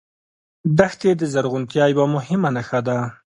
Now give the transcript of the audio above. دښتې د زرغونتیا یوه مهمه نښه ده.